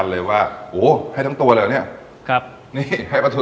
สปาเกตตี้ปลาทู